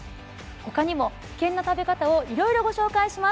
他にも危険な食べ方をいろいろご紹介します。